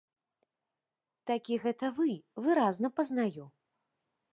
Такі гэта вы, выразна пазнаю.